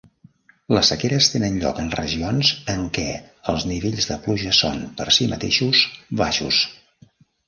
Les sequeres tenen lloc en regions en què els nivells de pluja són, per si mateixos, baixos.